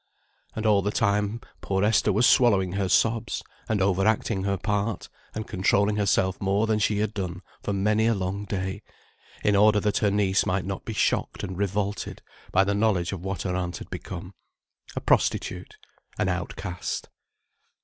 And all the time poor Esther was swallowing her sobs, and over acting her part, and controlling herself more than she had done for many a long day, in order that her niece might not be shocked and revolted, by the knowledge of what her aunt had become: a prostitute; an outcast.